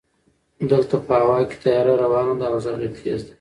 دلته په هوا کې طیاره روانه ده او غژ یې تېز ده.